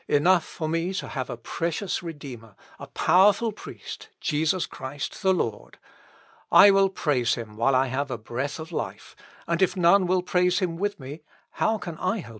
Enough for me to have a precious Redeemer, a powerful Priest, Jesus Christ the Lord! I will praise him while I have a breath of life; and if none will praise him with me, how can I help it?"